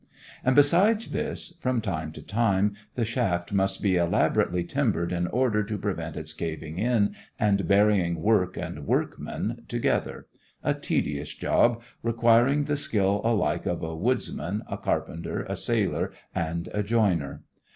And besides this, from time to time the shaft must be elaborately timbered in order to prevent its caving in and burying work and workman together a tedious job, requiring the skill alike of a woodsman, a carpenter, a sailor, and a joiner.